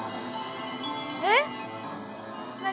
えっ！？何？